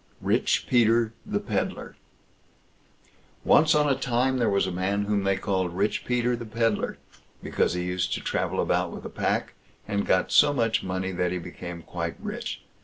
RICH PETER THE PEDLAR Once on a time there was a man whom they called Rich Peter the Pedlar, because he used to travel about with a pack, and got so much money, that he became quite rich.